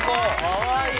かわいい！